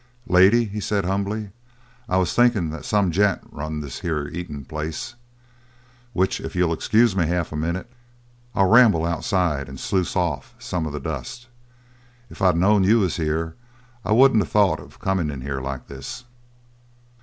"Lady," he said humbly, "I was thinkin' that some gent run this here eatin' place. Which if you'll excuse me half a minute I'll ramble outside and sluice off some of the dust. If I'd known you was here I wouldn't of thought of comin' in here like this."